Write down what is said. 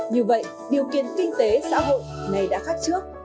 như vậy điều kiện kinh tế xã hội này đã khác trước